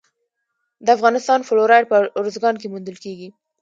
د افغانستان فلورایټ په ارزګان کې موندل کیږي.